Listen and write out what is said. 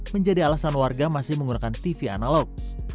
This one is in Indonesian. menjadi alasan warga masih menggunakan tv analog